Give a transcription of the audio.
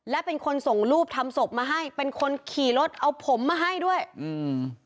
และเป็นคนส่งรูปทำศพมาให้เป็นคนขี่รถเอาผมมาให้ด้วยอืม